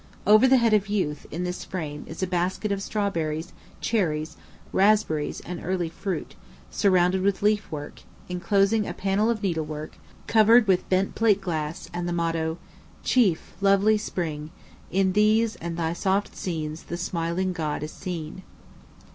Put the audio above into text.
Over the head of Youth, in this frame, is a basket of strawberries, cherries, raspberries, and early fruit, surrounded with leaf work, enclosing a panel of needlework, covered with bent plate glass, and the motto, " Chief, lovely Spring, In these and thy soft scenes the smiling God is seen."